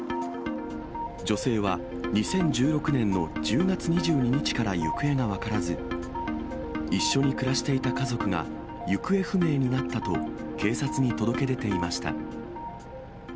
女性は、２０１６年の１０月２２日から行方が分からず、一緒に暮らしていた家族が行方不明になったと、警察に届け出ていました。